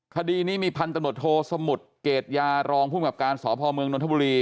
คดีนี้มีพันตำรวจโทสมุทรเกรดยารองภูมิกับการสพเมืองนทบุรี